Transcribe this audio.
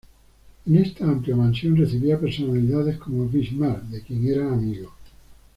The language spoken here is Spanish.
En esta amplia mansión recibía a personalidades como Bismarck, de quien era amigo.